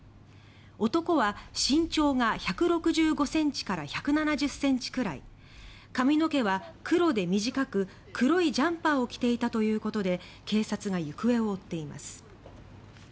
男は身長が１６５ｃｍから１７０ｃｍくらい髪の毛は黒で短く黒いジャンパーを着ていたということで警察が行方を追っています。